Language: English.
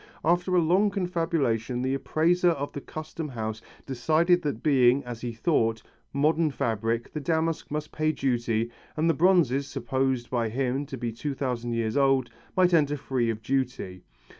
After a long confabulation the appraiser of the Custom House decided that being, as he thought, of modern fabric, the damask must pay duty and that the bronzes, supposed by him to be two thousand years old, might enter free of duty.